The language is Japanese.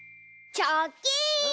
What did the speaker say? チョッキン！